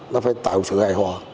nó phải tạo sự hài hòa